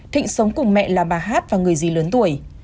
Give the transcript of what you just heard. thịnh sống cùng mẹ là bà hát và người gì lớn tuổi